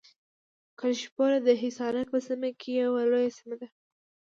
کلشپوره د حصارک په سیمه کې یوه لویه سیمه ده.